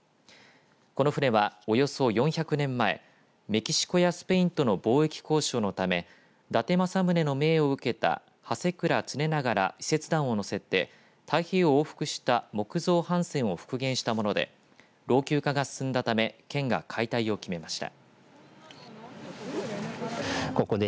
この船は、およそ４００年前メキシコやスペインとの貿易交渉のため伊達政宗の命を受けた支倉常長ら使節団を乗せて太平洋を往復した木造帆船を復元したもので老朽化が進んだため県が解体を決めました。